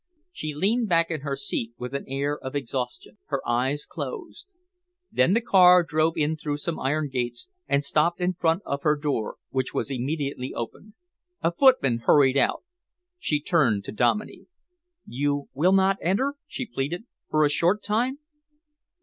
She leaned back in her seat with an air of exhaustion. Her eyes closed. Then the car drove in through some iron gates and stopped in front of her door, which was immediately opened. A footman hurried out. She turned to Dominey. "You will not enter," she pleaded, "for a short time?"